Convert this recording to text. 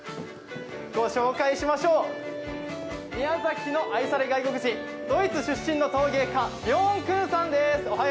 ご紹介しましょう、宮崎の愛され外国人、ドイツ出身の陶芸家ビョーン・クーンさんです。